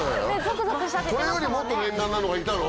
これよりもっと念願なのがいたの？